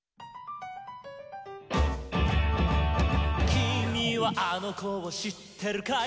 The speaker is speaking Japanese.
「きみはあのこをしってるかい？」